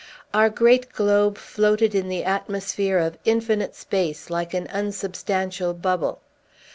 Our great globe floated in the atmosphere of infinite space like an unsubstantial bubble.